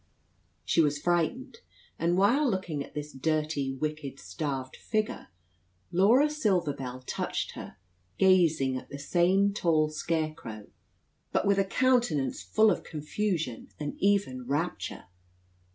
She was frightened; and while looking at this dirty, wicked, starved figure, Laura Silver Bell touched her, gazing at the same tall scarecrow, but with a countenance full of confusion and even rapture.